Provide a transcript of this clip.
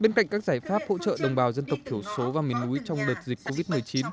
bên cạnh các giải pháp hỗ trợ đồng bào dân tộc thiểu số và miền núi trong đợt dịch covid một mươi chín